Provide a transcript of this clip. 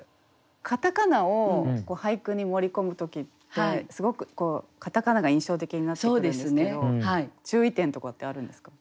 片仮名を俳句に盛り込む時ってすごく片仮名が印象的になってくるんですけど注意点とかってあるんですか？